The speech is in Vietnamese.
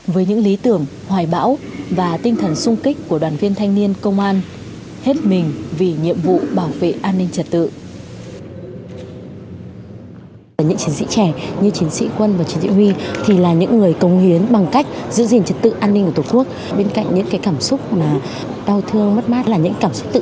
với những lý tưởng hoài bão và tinh thần xung kích của đoàn viên thanh niên công an hết mình vì nhiệm vụ bảo vệ an ninh trật tự